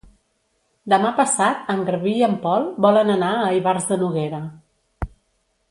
Demà passat en Garbí i en Pol volen anar a Ivars de Noguera.